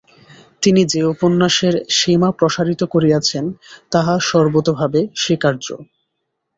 তিনি যে উপন্যাসের সীমা প্রসারিত করিয়াছেন তাহা সর্বোতোভাবে স্বীকার্য।